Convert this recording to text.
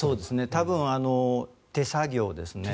多分、手作業ですね。